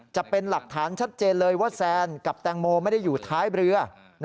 จะเป็นหลักฐานชัดเจนเลยว่าแซนกับแตงโมไม่ได้อยู่ท้ายเรือ